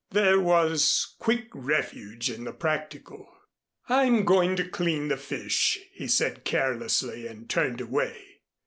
There was quick refuge in the practical. "I'm going to clean the fish," he said carelessly, and turned away.